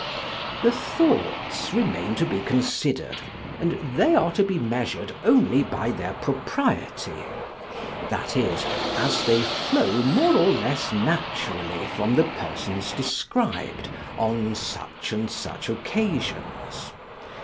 The thoughts remain to be consider'd, and they are to be measured only by their propriety; that is, as they flow more or less naturally from the persons describ'd, on such and such occasions.